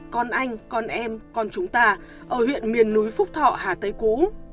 con anh con em con chúng ta ở huyện miền núi phúc thọ hà tây cũ